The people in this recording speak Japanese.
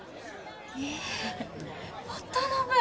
え渡辺！